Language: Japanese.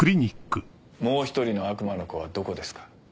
もう一人の悪魔の子はどこですか？